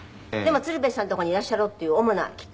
鶴瓶さんのとこにいらっしゃろうっていう主なきっかけは？